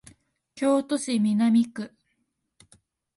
京都市南区